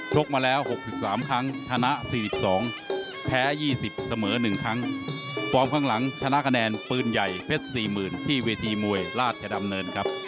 กมาแล้ว๖๓ครั้งชนะ๔๒แพ้๒๐เสมอ๑ครั้งฟอร์มข้างหลังชนะคะแนนปืนใหญ่เพชร๔๐๐๐ที่เวทีมวยราชดำเนินครับ